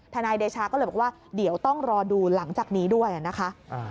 นายเดชาก็เลยบอกว่าเดี๋ยวต้องรอดูหลังจากนี้ด้วยนะคะ